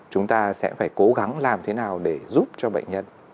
chúng ta sẽ phải cố gắng làm thế nào để giúp cho bệnh nhân